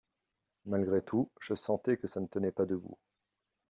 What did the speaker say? Malgré tout, je sentais que ça ne tenait pas debout.